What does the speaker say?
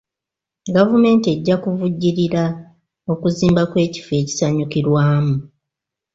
Gavumenti ejja kuvujjirira okuzimba kw'ekifo ekisanyukirwamu.